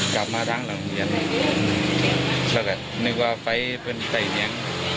กลับมาด้านหลังเวียนแล้วกะนึกว่าไฟเป็นไก่เนี้ย